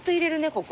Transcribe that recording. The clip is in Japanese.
ここ。